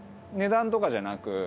値段とかじゃなく。